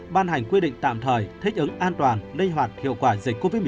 ban hành quy định tạm thời thích ứng an toàn linh hoạt hiệu quả dịch covid một mươi chín